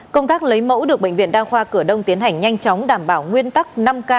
công tác lấy mẫu được bệnh viện đa khoa cửa đông tiến hành nhanh chóng đảm bảo nguyên tắc năm k